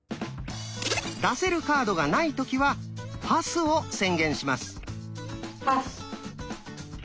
出せるカードがない時は「パス」を宣言します。